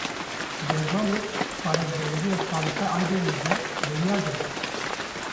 Derbarê parêzbendiya Salihe Aydeniz de biryar derket.